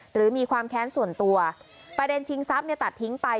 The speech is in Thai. หรือมีความแค้นส่วนตัวประเด็นชิงทรัพย์เนี่ยตัดทิ้งไป